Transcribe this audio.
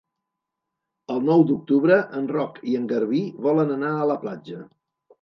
El nou d'octubre en Roc i en Garbí volen anar a la platja.